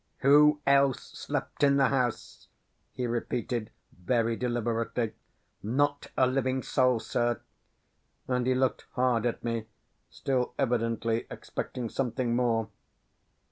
"Who else slept in the house?" he repeated, very deliberately. "Not a living soul, sir"; and he looked hard at me, still evidently expecting something more.